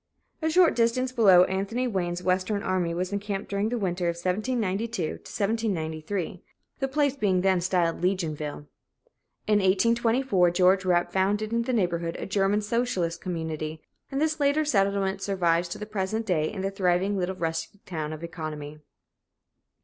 A short distance below, Anthony Wayne's Western army was encamped during the winter of 1792 93, the place being then styled Legionville. In 1824 George Rapp founded in the neighborhood a German socialist community, and this later settlement survives to the present day in the thriving little rustic town of Economy.